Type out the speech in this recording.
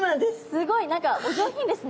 すごい何かお上品ですね